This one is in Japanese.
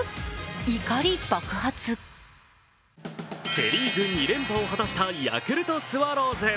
セ・リーグ２連覇を果たしたヤクルトスワローズ。